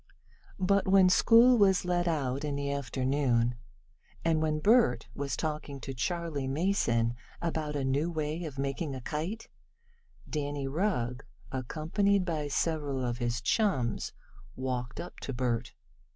But when school was let out in the afternoon, and when Bert was talking to Charley Mason about a new way of making a kite, Danny Rugg, accompanied by several of his chums, walked up to Bert.